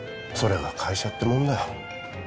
それが会社ってもんだよ